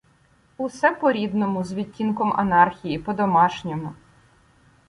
Усе по-рідному, з відтінком анархії, по-домашньому